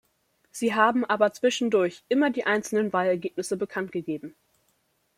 Sie haben aber zwischendurch immer die einzelnen Wahlergebnisse bekanntgegeben.